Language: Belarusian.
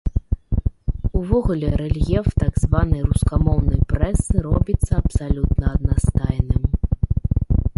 Увогуле рэльеф так званай рускамоўнай прэсы робіцца абсалютна аднастайным.